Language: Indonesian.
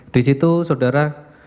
di situ saudara